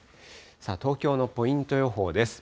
さあ、東京のポイント予報です。